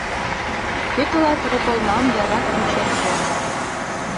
Кӧ тылат роколмам яра кӱнчен пуа?